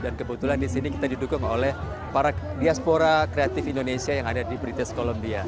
dan kebetulan di sini kita didukung oleh para diaspora kreatif indonesia yang ada di british columbia